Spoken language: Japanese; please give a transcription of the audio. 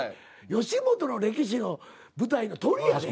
吉本の歴史の舞台のトリやで。